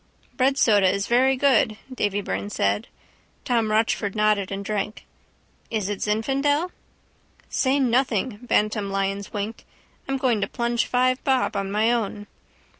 —Breadsoda is very good, Davy Byrne said. Tom Rochford nodded and drank. —Is it Zinfandel? —Say nothing! Bantam Lyons winked. I'm going to plunge five bob on my own.